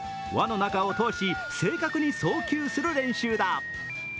輪の中を通し、正確に送球する練習だ。